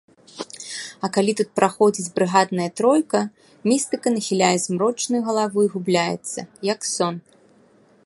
А калі тут праходзіць брыгадная тройка, містыка нахіляе змрочную галаву і губляецца, як сон.